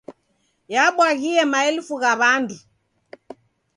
Yabwaghie maelfu gha w'andu.